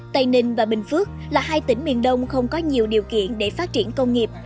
tây ninh và bình phước là hai tỉnh miền đông không có nhiều điều kiện để phát triển công nghiệp